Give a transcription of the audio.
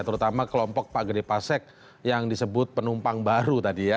terutama kelompok pak gede pasek yang disebut penumpang baru tadi ya